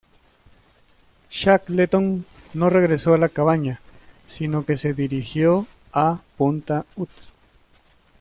Shackleton no regresó a la cabaña, sino que se dirigió a punta Hut.